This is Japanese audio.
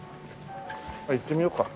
行ってみようか。